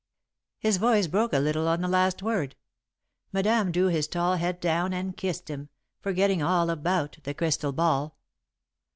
His voice broke a little on the last word. Madame drew his tall head down and kissed him, forgetting all about the crystal ball.